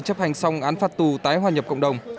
chấp hành xong án phạt tù tái hòa nhập cộng đồng